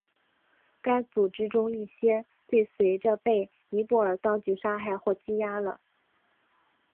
该组织中一些最随着被尼泊尔当局杀害或羁押了。